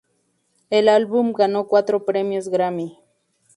El álbum ganó cuatro premios Grammy.